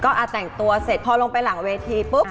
ก็แต่งตัวเสร็จพอลงไปหลังเวทีปุ๊บ